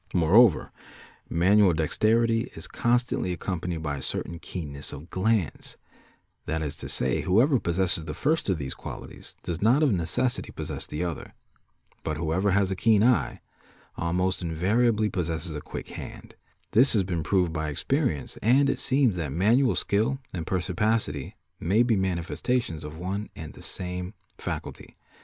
Moreover manual dexterity is constantly accompanied by a certain keenness of glance; that is to say whoever possesses the first of these qualities does not of necessity possess the other, but whoever has a keen eye almost invariably possesses a quick hand ; this has been proved by experience and it seems that manual skill and perspicacity may be mani festations of one and the same faculty.